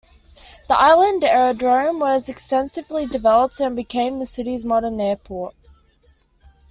The island aerodrome was extensively developed and became the city's modern airport.